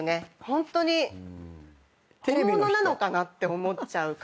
ホントに本物なのかな？って思っちゃう感じです。